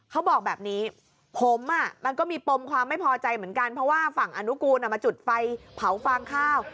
เขาบอกแบบนี้ผมมันก็มีปมความไม่พอใจเหมือนกันเพราะว่าฝั่งอนุกูลมาจุดไฟเผาฟางข้าว